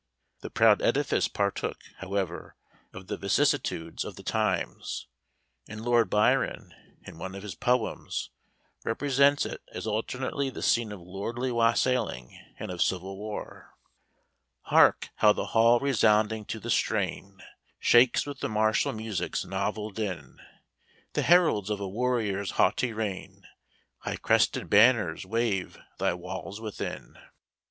The proud edifice partook, however, of the vicissitudes of the times, and Lord Byron, in one of his poems, represents it as alternately the scene of lordly wassailing and of civil war: "Hark, how the hall resounding to the strain, Shakes with the martial music's novel din! The heralds of a warrior's haughty reign, High crested banners wave thy walls within.